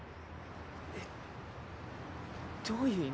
えっどういう意味？